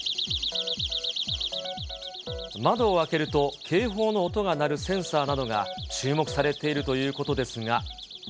窓を開けると、警報の音が鳴るセンサーなどが注目されているということですが。